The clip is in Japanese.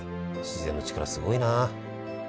自然の力すごいな。